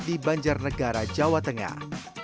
di banjarnegara jawa tengah